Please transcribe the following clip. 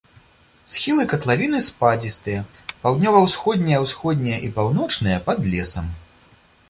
Схілы катлавіны спадзістыя, паўднёва-ўсходнія, усходнія і паўночныя пад лесам.